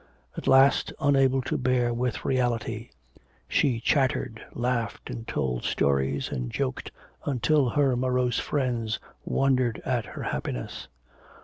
At last, unable to bear with reality, she chattered, laughed, and told stories and joked until her morose friends wondered at her happiness.